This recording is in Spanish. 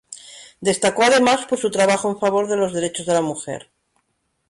Destacó además por su trabajo en favor de los derechos de la mujer.